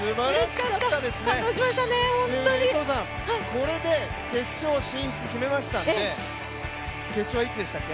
これで決勝進出決めましたので決勝はいつでしたっけ。